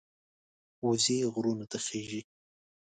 وزې غرونو ته خېژي